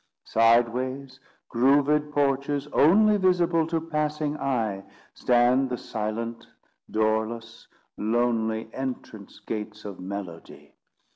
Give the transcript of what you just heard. Sideways, grooved porches only Visible to passing eye, Stand the silent, doorless, lonely Entrance gates of melody.